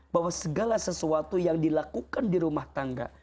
bahwa segala sesuatu yang dilakukan di rumah tangga